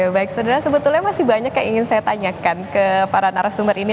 baik saudara sebetulnya masih banyak yang ingin saya tanyakan ke para narasumber ini